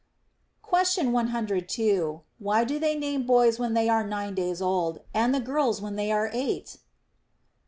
Question 102. Why do they name boys when they are nine days old, and girls when they are eight